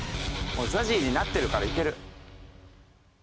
ＺＡＺＹになってるからいける。